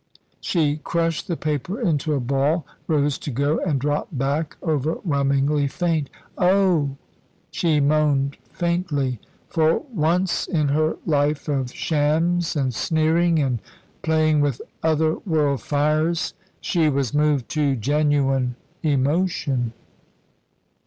She crushed the paper into a ball, rose to go, and dropped back, overwhelmingly faint. "Oh!" she moaned faintly. For once in her life of shams and sneering and playing with other world fires she was moved to genuine emotion.